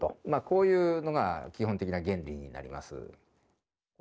こういうのが基本的な原理になります。